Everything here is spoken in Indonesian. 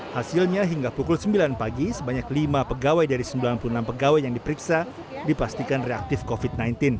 hasilnya hingga pukul sembilan pagi sebanyak lima pegawai dari sembilan puluh enam pegawai yang diperiksa dipastikan reaktif covid sembilan belas